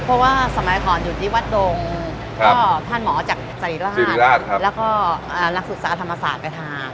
เพราะว่าสมัยก่อนอยู่ที่วัดดงก็ท่านหมอจากสิริราชแล้วก็นักศึกษาธรรมศาสตร์ไปทาน